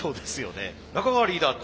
中川リーダー